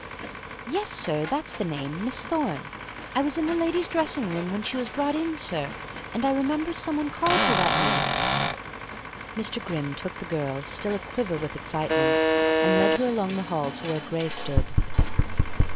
"Yes, sir, that's the name Miss Thorne. I was in the ladies' dressing room when she was brought in, sir, and I remember some one called her name." Mr. Grimm took the girl, still a quiver with excitement, and led her along the hall to where Gray stood.